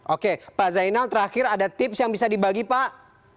oke pak zainal terakhir ada tips yang bisa dibagi pak